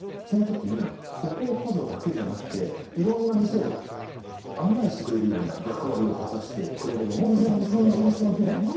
その時に歩行補助だけじゃなくていろんな店を案内してくれるような役割を果たしてくれればもっと楽しくなりますよね。